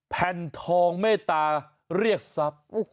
แผ่นทองเมตาเรียกซับ